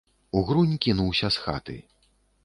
Угрунь кінуўся з хаты.